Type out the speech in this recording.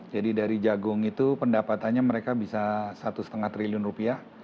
jadi dari jagung itu pendapatannya mereka bisa satu lima triliun rupiah